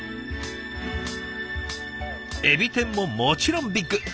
エビ天ももちろんビッグ。